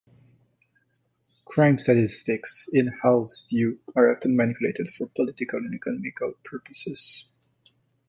Crime statistics, in Hall's view, are often manipulated for political and economic purposes.